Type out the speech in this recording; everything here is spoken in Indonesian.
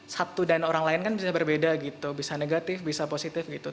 satu dan orang lain kan bisa berbeda gitu bisa negatif bisa positif gitu